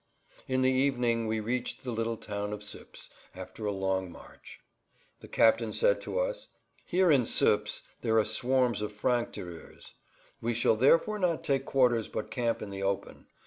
In the evening we reached the little town of Suippes after a long march. The captain said to us, "Here in Suippes there are swarms of franctireurs. We shall therefore not take quarters but camp in the open.